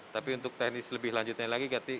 tapi untuk teknis lebih lanjutnya lagi